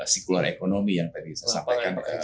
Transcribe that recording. sikular ekonomi yang tadi saya sampaikan